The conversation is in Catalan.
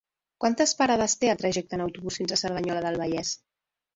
Quantes parades té el trajecte en autobús fins a Cerdanyola del Vallès?